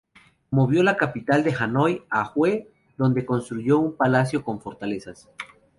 Movió la capital de Hanói a Hue, donde construyó un palacio con fortalezas.